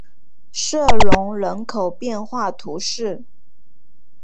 瑟隆人口变化图示